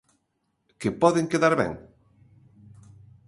Que poden quedar ben?